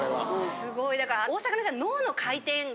すごいだから。